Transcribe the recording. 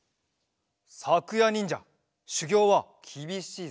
さくやにんじゃしゅぎょうはきびしいぞ。